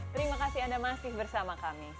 terima kasih anda masih bersama kami